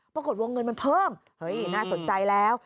วงเงินมันเพิ่มเฮ้ยน่าสนใจแล้ว